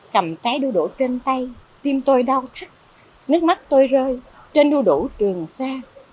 cầm trái đu đủ trên tay tim tôi đau thắt nước mắt tôi rơi trên đu đủ trường xa